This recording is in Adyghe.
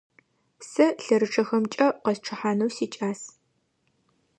Сэ лъэрычъэхэмкӀэ къэсчъыхьанэу сикӀас.